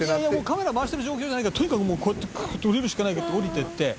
「カメラ回してる状況じゃないからとにかくこうやって下りるしかないから下りていって」